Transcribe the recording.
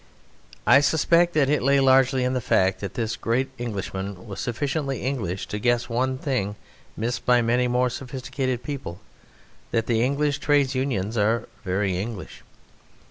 I suspect that it lay largely in the fact that this great Englishman was sufficiently English to guess one thing missed by many more sophisticated people that the English Trades Unions are very English.